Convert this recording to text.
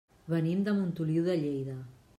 Venim de Montoliu de Lleida.